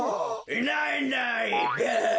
いないいないばあ！